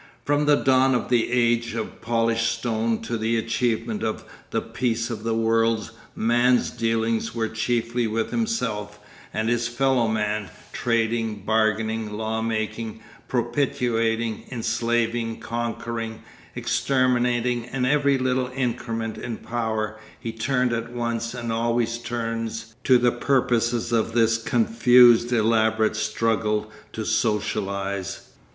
From the dawn of the age of polished stone to the achievement of the Peace of the World, man's dealings were chiefly with himself and his fellow man, trading, bargaining, law making, propitiating, enslaving, conquering, exterminating, and every little increment in Power, he turned at once and always turns to the purposes of this confused elaborate struggle to socialise.